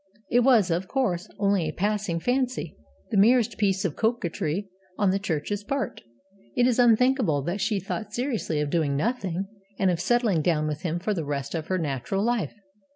It was, of course, only a passing fancy, the merest piece of coquetry on the Church's part. It is unthinkable that she thought seriously of Doing Nothing, and of settling down with him for the rest of her natural life.